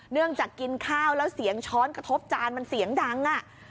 เนื่องจากกินข้าวแล้วเสียงช้อนกระทบจานมันเสียงดัง